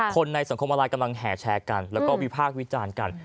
ในสังคมออนไลน์กำลังแห่แชร์กันแล้วก็วิพากษ์วิจารณ์กัน